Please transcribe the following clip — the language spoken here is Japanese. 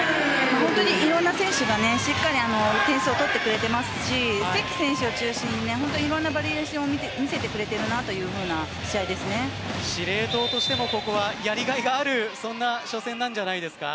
本当にいろんな選手がしっかり点数を取ってくれてますし関選手を中心にいろんなバリエーションを見せてくれているなという司令塔としてもここはやりがいがあるそんな初戦なんじゃないですか？